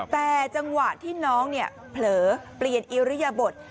แต่จังหวะที่น้องเนี่ยเผลอเปลี่ยนอิริยบท